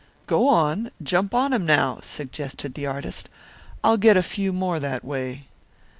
"Go on, jump on him now," suggested the artist. "I'll get a few more that way."